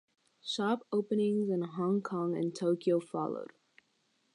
Shop openings in Hong Kong and Tokyo followed.